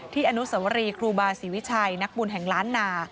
อนุสวรีครูบาศรีวิชัยนักบุญแห่งล้านนา